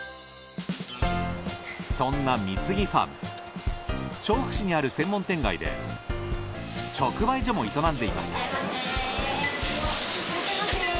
そんなみつぎファーム調布市にある専門店街で直売所も営んでいました。